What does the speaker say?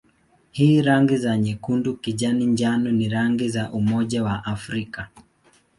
Hizi rangi za nyekundu-kijani-njano ni rangi za Umoja wa Afrika.